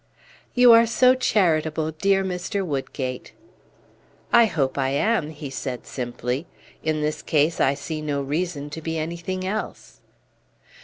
"You are so charitable, dear Mr. Woodgate!" "I hope I am," he said simply. "In this case I see no reason to be anything else."